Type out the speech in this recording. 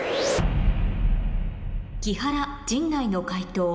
木原陣内の解答